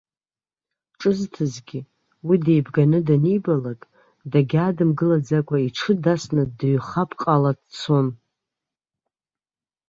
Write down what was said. Ҿызҭызгьы, уи деибганы данибалак, дагьаадымгылаӡакәа иҽы дасны дыҩхапҟала дцон.